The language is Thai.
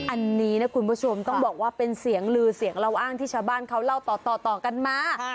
อันนี้นะคุณผู้ชมต้องบอกว่าเป็นเสียงลือเสียงเล่าอ้างที่ชาวบ้านเขาเล่าต่อกันมา